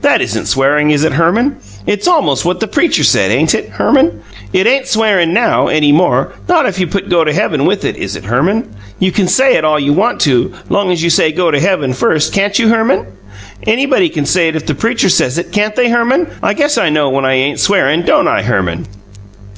That isn't swearing, is it, Herman? It's almost what the preacher said, ain't it, Herman? It ain't swearing now, any more not if you put 'go to heaven' with it, is it, Herman? You can say it all you want to, long as you say 'go to heaven' first, CAN'T you, Herman? Anybody can say it if the preacher says it, can't they, Herman? I guess I know when I ain't swearing, don't I, Herman?"